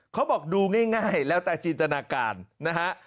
เขาบอกดูง่ายแล้วแต่จินตนาการนะฮะ